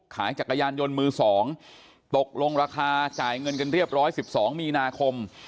จักรยานยนต์มือ๒ตกลงราคาจ่ายเงินกันเรียบร้อย๑๒มีนาคม